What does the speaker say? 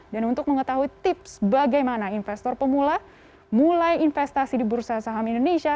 dan untuk mengetahui tips bagaimana investor pemula mulai investasi di bursa saham indonesia